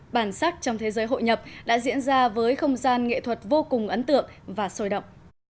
bản sắc trong thế giới hội nhập đã diễn ra với không gian nghệ thuật vô cùng ấn tượng và sôi động